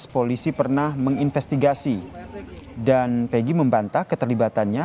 polisi pernah menginvestigasi dan pegi membantah keterlibatannya